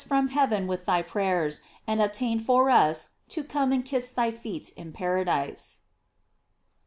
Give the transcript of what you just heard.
u» from heaven with thy prayers, and obtain for us to come and kiss thy feet in paradise.